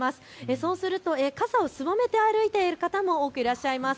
そうすると傘をすぼめて歩いている方も多くいらっしゃいます。